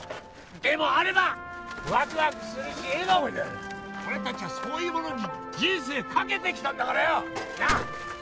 でもあればワクワクするし笑顔になる俺達はそういうものに人生かけてきたんだからよなあ！